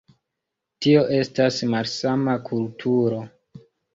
Tio estas malsama kulturo.